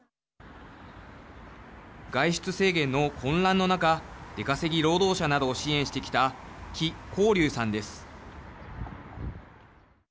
外出制限の混乱の中出稼ぎ労働者などを支援してきた季孝竜さんです。